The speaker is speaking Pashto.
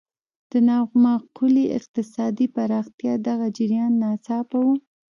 د نامعقولې اقتصادي پراختیا دغه جریان ناپایه و.